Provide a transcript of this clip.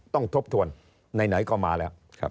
ทบทวนไหนก็มาแล้ว